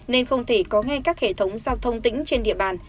nên không thể có ngay các hệ thống giao thông tính trên địa bàn